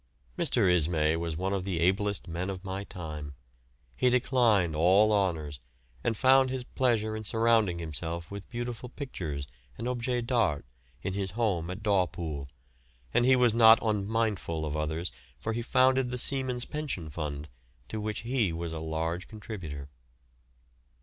Mr. Ismay was one of the ablest men of my time. He declined all honours, and found his pleasure in surrounding himself with beautiful pictures and objets d'art in his home at Dawpool, and he was not unmindful of others, for he founded the Seamen's Pension Fund, to which he was a large contributor.